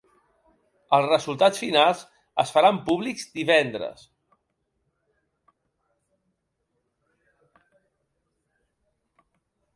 Els resultats finals es faran públics divendres.